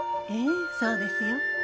ええそうですよ。